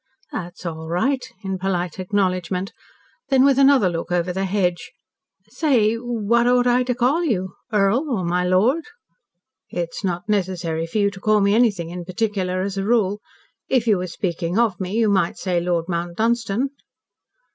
"That's all right," in polite acknowledgment. Then with another look over the hedge, "Say what ought I to call you? Earl, or my Lord?" "It's not necessary for you to call me anything in particular as a rule. If you were speaking of me, you might say Lord Mount Dunstan."